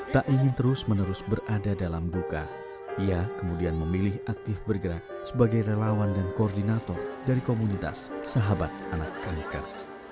tak ingin terus menerus berada dalam duka ia kemudian memilih aktif bergerak sebagai relawan dan koordinator dari komunitas sahabat anak kanker